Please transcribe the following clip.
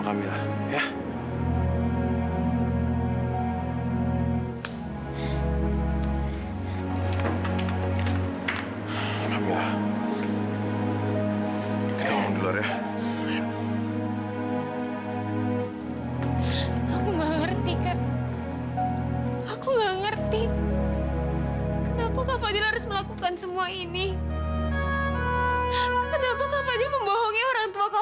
tapi bukan jarak seperti ini yang aku butuhkan kak